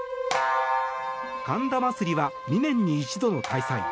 神田祭は２年に一度の開催。